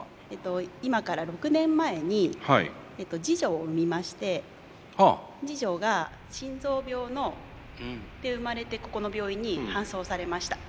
今から６年前に次女を産みまして次女が心臓病で生まれてここの病院に搬送されました。